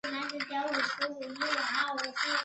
邓愈晋升为江西行省右丞。